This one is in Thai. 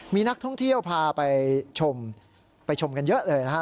มีนักท่องเที่ยวพาไปชมกันเยอะเลยนะครับ